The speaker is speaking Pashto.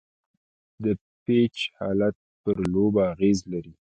د پيچ حالت پر لوبه اغېز لري.